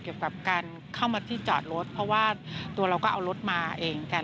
เกี่ยวกับการเข้ามาที่จอดรถเพราะว่าตัวเราก็เอารถมาเองกัน